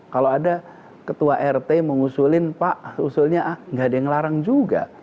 kalau ada ketua rt mengusulin pak usulnya a nggak ada yang ngelarang juga